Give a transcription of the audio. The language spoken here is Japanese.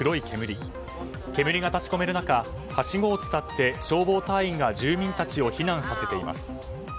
煙が立ち込める中はしごを使って消防隊員が住民たちを避難させています。